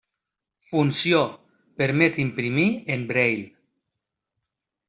Funció: permet imprimir en braille.